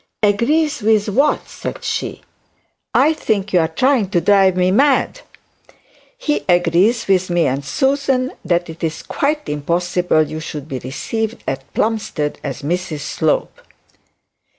'Agree with what?' said she. 'I think you are trying to drive me mad.' 'He agrees with me and Susan that it is quite impossible you should be received at Plumstead as Mrs Slope.'